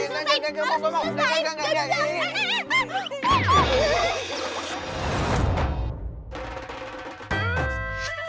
enggak enggak enggak